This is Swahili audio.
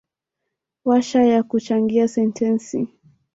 Warsha ya kuchangia sentensi